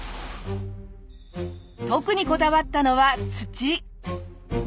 特にこだわったのは土。